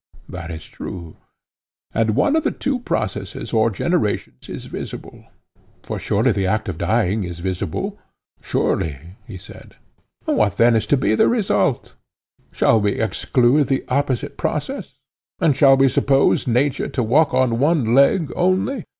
That is true. And one of the two processes or generations is visible—for surely the act of dying is visible? Surely, he said. What then is to be the result? Shall we exclude the opposite process? And shall we suppose nature to walk on one leg only?